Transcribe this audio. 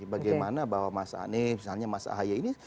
bagaimana bahwa mas aneh misalnya mas ahi ini